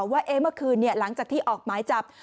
ว่าเมื่อคืนหลังจากที่ออกหมายจับ